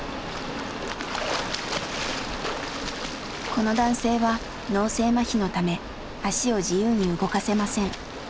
この男性は脳性まひのため足を自由に動かせません。